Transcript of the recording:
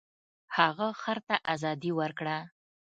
هغه خر ته ازادي ورکړه.